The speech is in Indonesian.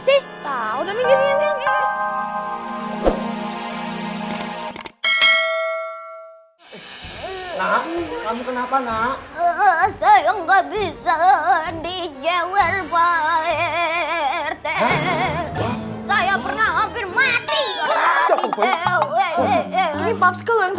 sih tahu namanya kenapa enggak bisa di jawa rt saya pernah akhir akhir mati